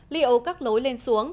liệu các lối lên xuống